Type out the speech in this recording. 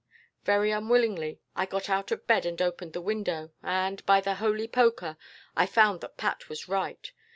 "Very unwillingly, I got out of bed and opened the window, and, by the holy poker, I found that Pat was right.